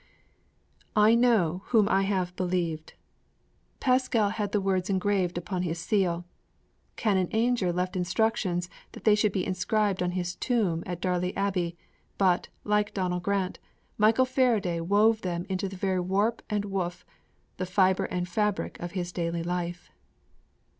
VI 'I know whom I have believed.' Pascal had the words engraved upon his seal; Canon Ainger left instructions that they should be inscribed on his tomb at Darley Abbey; but, like Donal Grant, Michael Faraday wove them into the very warp and woof, the fiber and fabric of his daily life.